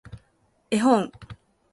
絵本